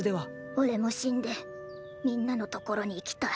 おれも死んでみんなの所に行きたい。